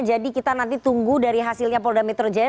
jadi kita nanti tunggu dari hasilnya polda metro jaya